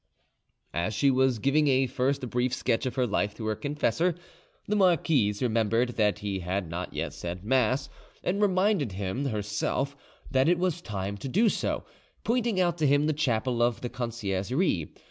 As she was giving a first brief sketch of her life to her confessor, the marquise remembered that he had not yet said mass, and reminded him herself that it was time to do so, pointing out to him the chapel of the Conciergerie.